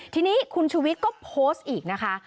ทีนี้คุณชุวิตก็โพสต์อีกนะคะ